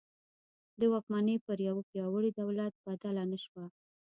د واکمني پر یوه پیاوړي دولت بدله نه شوه.